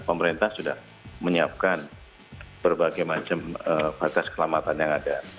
pemerintah sudah menyiapkan berbagai macam batas kelamatan yang ada